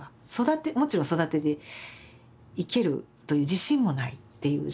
もちろん育てていけるという自信もないっていう状況をね